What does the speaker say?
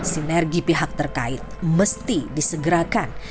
sinergi pihak terkait mesti disegerakan